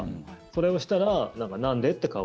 それをしたら、なんで？って顔